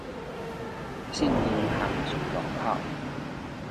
信義杭州路口